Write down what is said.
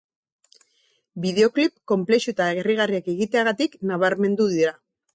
Bideoklip konplexu eta harrigarriak egiteagatik nabarmendu dira.